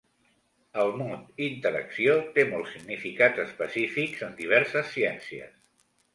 El mot "interacció" té molts significats específics en diverses ciències.